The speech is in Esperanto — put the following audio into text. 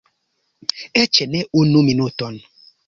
Eĉ ne unu minuton!